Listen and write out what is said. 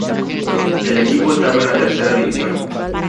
El equipo estaba en la Tercera División.